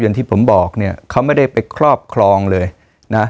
อย่างที่ผมบอกเนี่ยเขาไม่ได้ไปครอบครองเลยนะ